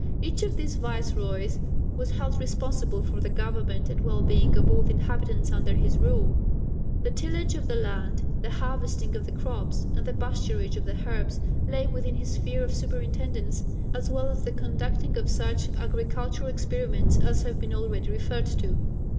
Each of these viceroys was held responsible for the government and well being of all the inhabitants under his rule. The tillage of the land, the harvesting of the crops, and the pasturage of the herds lay within his sphere of superintendence, as well as the conducting of such agricultural experiments as have been already referred to.